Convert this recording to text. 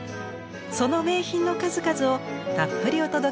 その名品の数々をたっぷりお届けします！